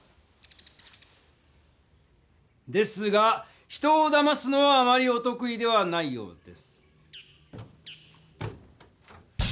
ですが人をだますのはあまりおとく意ではないようです。